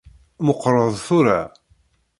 Meqqreḍ tura.